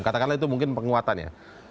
katakanlah itu mungkin penguatannya